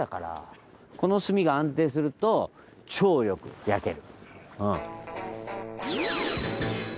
この炭が安定すると超よく焼ける。